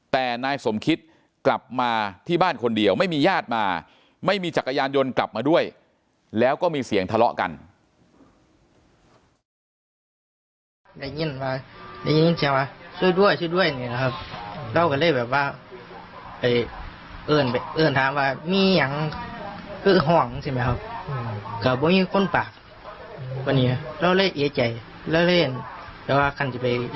แต่นายสมคิตกลับมาที่บ้านคนเดียวไม่มีญาติมาไม่มีจักรยานยนต์กลับมาด้วยแล้วก็มีเสียงทะเลาะกัน